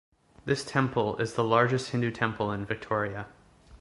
This temple is the largest Hindu temple in Victoria.